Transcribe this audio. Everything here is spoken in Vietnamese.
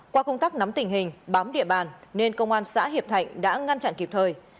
qua công tác nắm tình hình bám địa bàn nên công an xã hiệp thạnh đã ngăn chặn kịp thời